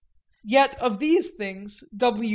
Yet of these things W.